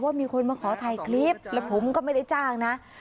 มีคนมาขอถ่ายคลิปแล้วผมก็ไม่ได้จ้างนะ